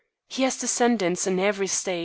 He has descendants in every State.